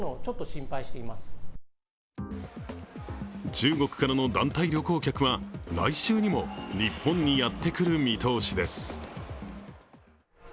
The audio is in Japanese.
中国からの団体旅行客は来週にも日本にやってくる見通しです。